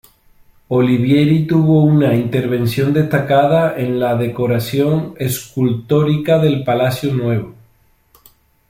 Olivieri tuvo una intervención destacada en la decoración escultórica del Palacio Nuevo.